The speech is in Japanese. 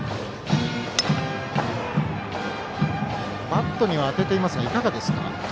バットには当てていますがいかがですか？